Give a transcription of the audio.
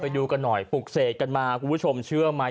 ดูกันหน่อยปลูกเสกกันมาคุณผู้ชมเชื่อไหม